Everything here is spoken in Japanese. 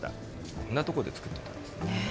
こんなところで作ってたんですね。